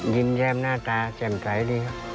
ยิ้มแย้มหน้าตาแจ่มใสดีครับ